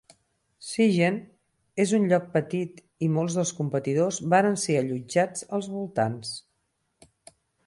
Siegen és un lloc petit i molts dels competidors varen ser allotjats als voltants.